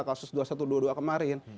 kasus dua ribu satu ratus dua puluh dua kemarin